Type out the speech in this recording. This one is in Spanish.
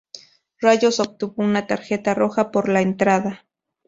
Rayos obtuvo una tarjeta roja por la entrada.